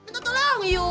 tuh tuh lo yuk